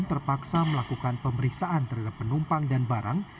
terpaksa melakukan pemeriksaan terhadap penumpang dan barang